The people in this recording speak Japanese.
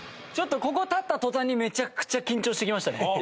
ちょっとここ立った途端にめちゃくちゃ緊張してきましたね。